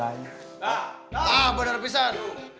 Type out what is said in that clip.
nah benar pisah